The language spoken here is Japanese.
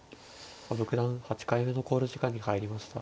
羽生九段８回目の考慮時間に入りました。